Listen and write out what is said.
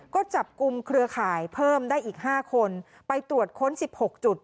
ก็จับกลุ่มเครือข่ายเพิ่มได้อีก๕คนไปตรวจค้น๑๖จุด